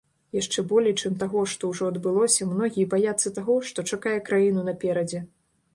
Яшчэ болей, чым таго, што ўжо адбылося, многія баяцца таго, што чакае краіну наперадзе.